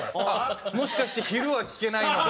もしかして昼は聴けないのかな？